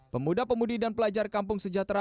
pemuda pemudi dan pelajar kampung sejahtera